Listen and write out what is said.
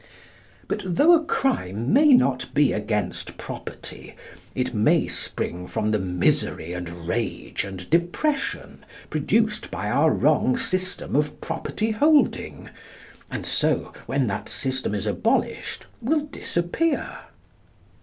But though a crime may not be against property, it may spring from the misery and rage and depression produced by our wrong system of property holding, and so, when that system is abolished, will disappear.